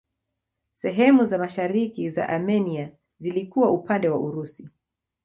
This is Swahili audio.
Sehemu za mashariki za Armenia zilikuwa upande wa Urusi.